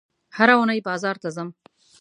هره اونۍ بازار ته ځم